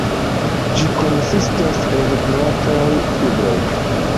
Ĝi konsistas el glataj fibroj.